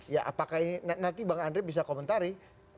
ya apakah ini nanti bang andre bisa komentari